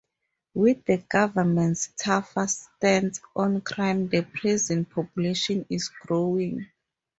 With the government's tougher stance on crime the prison population is growing.